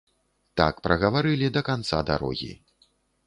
Так прагаварылі да канца дарогі.